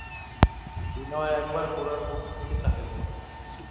বিনয় একবার গোরার মুখের দিকে চাহিল।